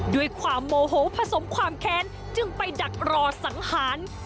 ด้วยความโมโหผสมความแค้นจึงไปดักรอสังหาร